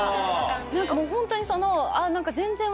何かもうホントにその。